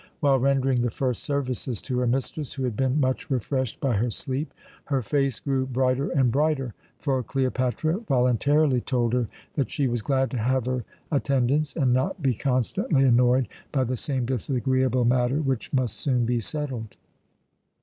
While rendering the first services to her mistress, who had been much refreshed by her sleep, her face grew brighter and brighter; for Cleopatra voluntarily told her that she was glad to have her attendance, and not be constantly annoyed by the same disagreeable matter, which must soon be settled.